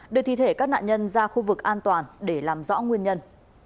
đưa thi thể các nạn nhân ra khu vực an toàn để làm rõ nguyên nhân